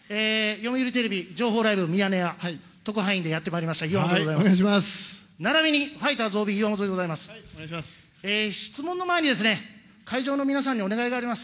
読売テレビ、情報ライブミヤネ屋、特派員でやってまいりました、岩本でございお願いします。